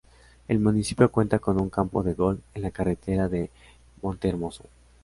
El municipio cuenta con un campo de golf en la carretera de Montehermoso.